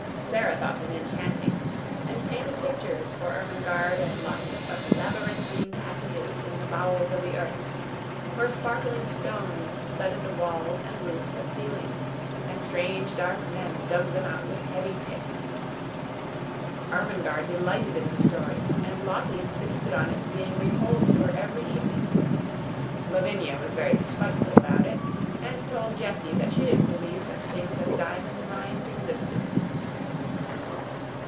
Sara thought them enchanting, and painted pictures, for Ermengarde and Lottie, of labyrinthine passages in the bowels of the earth, where sparkling stones studded the walls and roofs and ceilings, and strange, dark men dug them out with heavy picks. Ermengarde delighted in the story, and Lottie insisted on its being retold to her every evening. Lavinia was very spiteful about it, and told Jessie that she didn't believe such things as diamond mines existed.